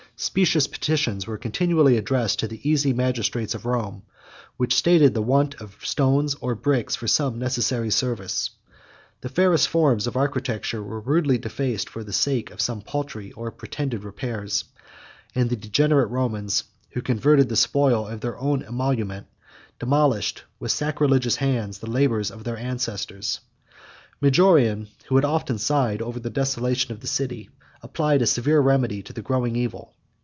Specious petitions were continually addressed to the easy magistrates of Rome, which stated the want of stones or bricks, for some necessary service: the fairest forms of architecture were rudely defaced, for the sake of some paltry, or pretended, repairs; and the degenerate Romans, who converted the spoil to their own emolument, demolished, with sacrilegious hands, the labors of their ancestors. Majorian, who had often sighed over the desolation of the city, applied a severe remedy to the growing evil.